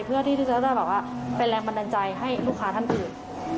เพื่อที่จะได้แบบว่าเป็นแรงบันดาลใจให้ลูกค้าท่านอื่น